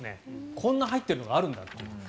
こんなに入ってるのがあるんだという。